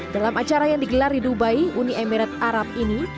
dalam acara yang digelar di dubai uni emirat arab ini